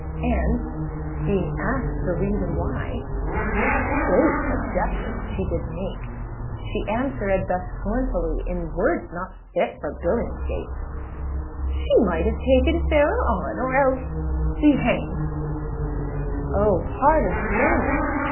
And being asked the reason why, Such base objections she did make, She answerèd thus scornfully, In words not fit for Billingsgate: âShe might have taken fairer onâ Or else be hanged:â Oh heart of stone!